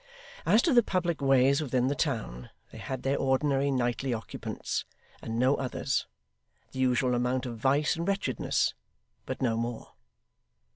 As to the public ways within the town, they had their ordinary nightly occupants, and no others; the usual amount of vice and wretchedness, but no more.